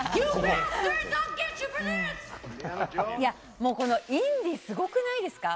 もうインディすごくないですか。